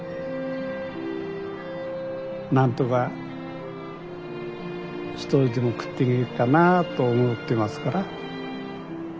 何とか一人でも食っていけるかなと思ってますから。